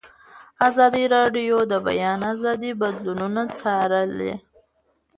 ازادي راډیو د د بیان آزادي بدلونونه څارلي.